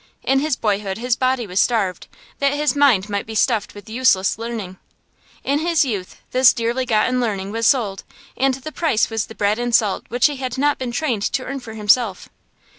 In his boyhood his body was starved, that his mind might be stuffed with useless learning. In his youth this dearly gotten learning was sold, and the price was the bread and salt which he had not been trained to earn for himself.